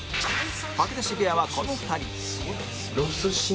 吐き出し部屋はこの２人